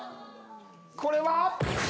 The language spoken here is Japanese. これは。